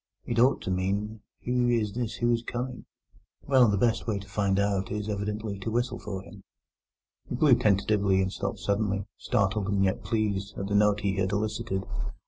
It ought to mean, 'Who is this who is coming?' Well, the best way to find out is evidently to whistle for him." He blew tentatively and stopped suddenly, startled and yet pleased at the note he had elicited.